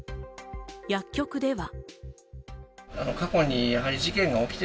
薬局では。